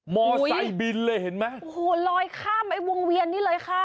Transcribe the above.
มอไซค์บินเลยเห็นไหมโอ้โหลอยข้ามไอ้วงเวียนนี่เลยค่ะ